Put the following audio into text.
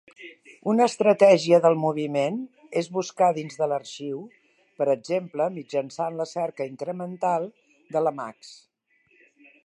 Una estratègia del moviment és buscar dins de l'arxiu, per exemple mitjançant la cerca incremental de l'Emacs.